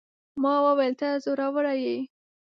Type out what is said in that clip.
ما وويل: ته زړوره يې.